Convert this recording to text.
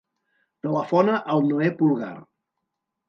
Telefona al Noè Pulgar.